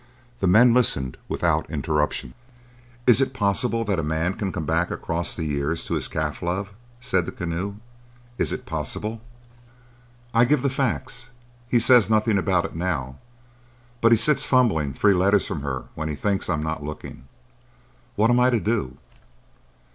The men listened without interruption. "Is it possible that a man can come back across the years to his calf love?" said the Keneu. "Is it possible?" "I give the facts. He says nothing about it now, but he sits fumbling three letters from her when he thinks I'm not looking. What am I to do?"